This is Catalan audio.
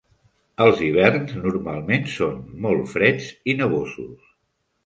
Els hiverns normalment són molt freds i nevosos.